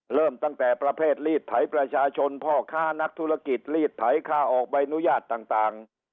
เริ่มตั้งแต่ประเภทรีดไถประชาชนพ่อค้านักธุรกิจรีดไถค่าออกใบอนุญาตต่าง